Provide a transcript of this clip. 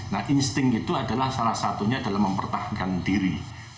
nah insting itu adalah salah satunya adalah mempertahankan diri